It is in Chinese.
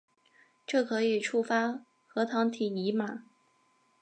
这可以触发核糖体移码。